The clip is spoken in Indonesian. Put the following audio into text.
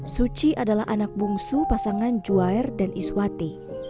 suci adalah anak bungsu pasangan juair dan iswati